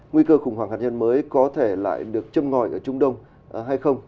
nguy cơ khủng hoảng hạt nhân mới có thể lại được châm ngòi ở trung đông hay không